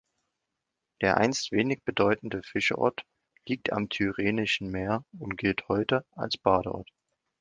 Der einst wenig bedeutende Fischerort liegt am Tyrrhenischen Meer und gilt heute als Badeort.